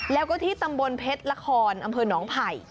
แล้วก็ที่ตำบลเพชรละครอำเภอหนองไผ่